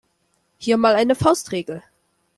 Hier mal eine Faustregel.